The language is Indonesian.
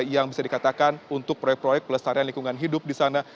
yang bisa dikatakan untuk proyek proyek pelestarian lingkungan hidup di sana